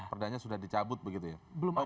perdanya sudah dicabut begitu ya